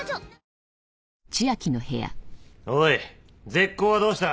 絶交はどうした？